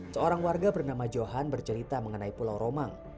seorang warga bernama johan bercerita mengenai pulau romang